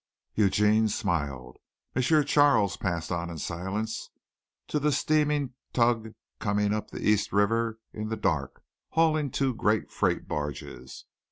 Eugene smiled. M. Charles passed on in silence to the steaming tug coming up the East River in the dark hauling two great freight barges.